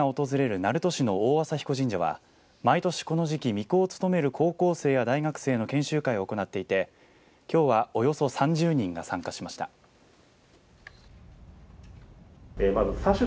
鳴門市の大麻比古神社は毎年この時期みこを務める高校生や大学生の研修会を行っていてきょうはおよそ３０人が参加しました。